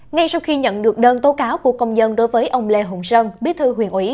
ngay sau khi nhận được đơn tố cáo của công dân đối với ông lê hùng sơn bí thư huyện ủy